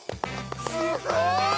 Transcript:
すごい！